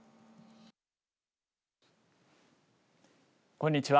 こんにちは。